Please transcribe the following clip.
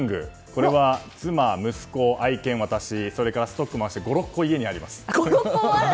これは妻、息子、愛犬、私ストックも合わせて５６個、家にあります。